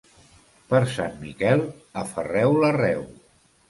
Per Sant Miquel, aferreu l'arreu.